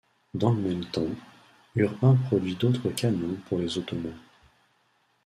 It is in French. Dans le même temps, Urbain produit d'autres canons pour les Ottomans.